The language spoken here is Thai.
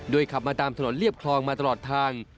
ขับมาตามถนนเรียบคลองมาตลอดทาง